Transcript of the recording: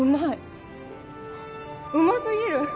うま過ぎる！